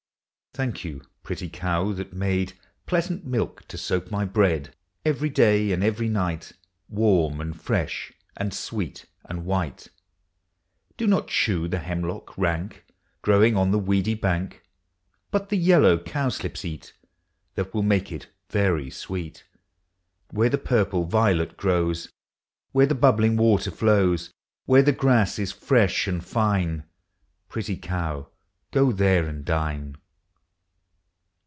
Thank you, pretty cow, that made Pleasant milk to soak my bread. Every day and every night. Warm, and fresh, and sweet, and white. Do not chew the hemlock rank, Growing on the weedy bank; But the yellow cowslips eat. That will make it very sweet. Where the purple violet grows, Where the bubbling water flows, Where the grass is fresh and fine, Pretty cow, go there and dine.